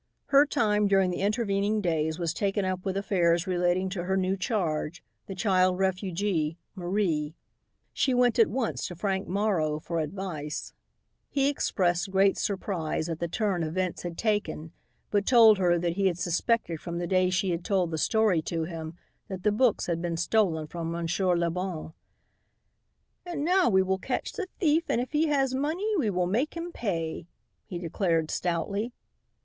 Her time during the intervening days was taken up with affairs relating to her new charge, the child refugee, Marie. She went at once to Frank Morrow for advice. He expressed great surprise at the turn events had taken but told her that he had suspected from the day she had told the story to him that the books had been stolen from Monsieur Le Bon. "And now we will catch the thief and if he has money we will make him pay," he declared stoutly.